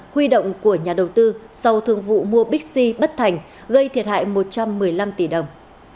huy động của nhà đầu tư sau thương vụ mua bixi bất thành gây thiệt hại một trăm một mươi năm tỷ đồng